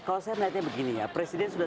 kalau saya melihatnya begini ya presiden sudah